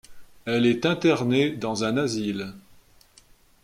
Elle est internée dans un asile…